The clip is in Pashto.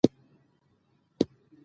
چې د دې فلم قيصه